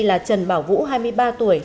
là trần bảo vũ hai mươi ba tuổi